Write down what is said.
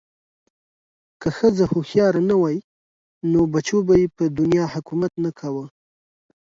که ښځه هوښیاره نه وی نو بچو به ېې په دنیا حکومت نه کوه